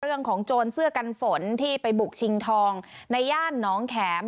โจรเสื้อกันฝนที่ไปบุกชิงทองในย่านน้องแข็ม